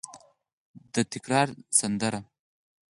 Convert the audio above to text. د تکرار سندره